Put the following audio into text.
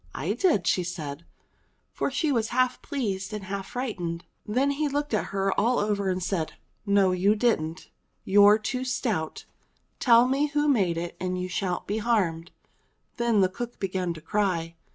"I did," she said, for she was half pleased and half fright ened. Then he looked at her all over and said, "No, you didn't ! You're too stout ! Tell me who made it and you shan't be harmed !" Then the cook began to cry.